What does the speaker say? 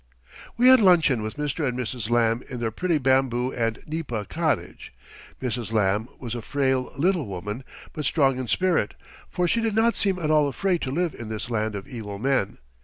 We had luncheon with Mr. and Mrs. Lamb in their pretty bamboo and nipa cottage. Mrs. Lamb was a frail little woman, but strong in spirit, for she did not seem at all afraid to live in this land of evil men.